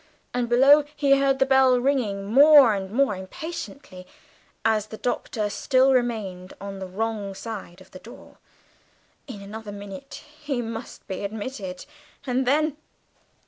And below he heard the bell ringing more and more impatiently, as the Doctor still remained on the wrong side of the door. In another minute he must be admitted and then!